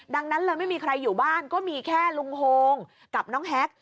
ดังนั้นเลยไม่มีใครอยู่บ้านก็มีแค่ลุงโฮงกับน้องแฮ็ก